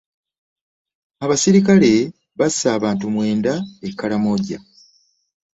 Abasirikale bbase abantu mwenda e Karamoja.